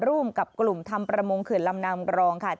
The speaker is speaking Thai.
ร่วมกับกลุ่มทำประมงเขื่อนลำนางกรองค่ะ